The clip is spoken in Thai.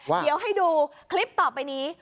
เดี๋ยวให้ดูคลิปต่อไปนี้